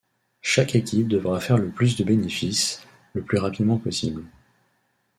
Chaque équipe devra faire le plus de bénéfice, le plus rapidement possible.